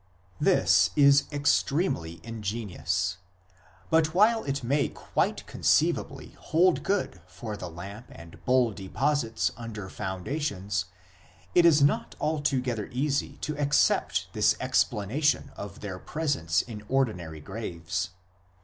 1 This is extremely ingenious ; but while it may quite con ceivably hold good for the lamp arid bowl deposits under foundations, it is not altogether easy to accept this explana tion of their presence in ordinary graves.